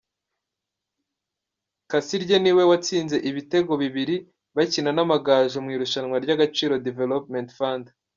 Kasirye niwe watsinze ibitego bibiri bakina n’Amagaju mu irushanwa ry’Agaciro Development Fund.